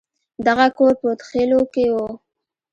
دغه کور په هود خيلو کښې و.